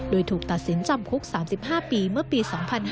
โดยถูกตัดสินจำคุก๓๕ปีเมื่อปี๒๕๕๙